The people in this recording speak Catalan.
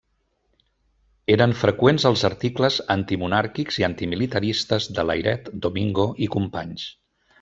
Eren freqüents els articles antimonàrquics i antimilitaristes de Layret, Domingo i Companys.